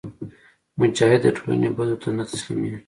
مجاهد د ټولنې بدو ته نه تسلیمیږي.